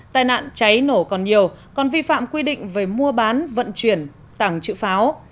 tai nạn cháy nổ còn nhiều còn vi phạm quy định về mua bán vận chuyển tảng chữ pháo